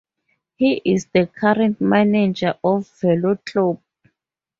He is the current manager of Velo Clube.